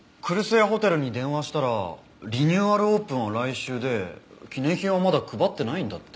屋ホテルに電話したらリニューアルオープンは来週で記念品はまだ配ってないんだって。